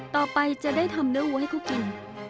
ต่อไปจะได้ทำเนื้อวัวให้เขากิน